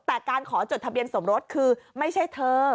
แต่การขอจดทะเบียนสมรสคือไม่ใช่เธอ